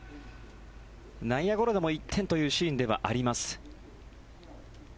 内野ゴロでも１点というシーンではあります。